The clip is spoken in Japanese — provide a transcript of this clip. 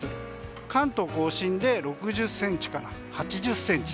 関東・甲信で６０ｃｍから８０ｃｍ。